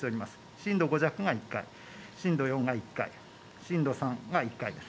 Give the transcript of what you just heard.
震度５弱が１回、震度４が１回、震度３が１回です。